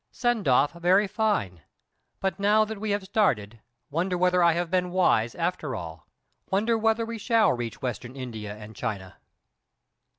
Send off very fine; but now that we have started wonder whether I have been wise after all. Wonder whether we shall reach Western India and China.